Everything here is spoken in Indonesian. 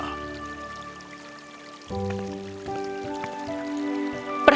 kau tidak perlu itu kau luar biasa